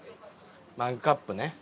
マグカップね。